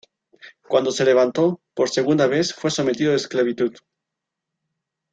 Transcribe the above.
Cuando se levantó por segunda vez fue sometido esclavitud.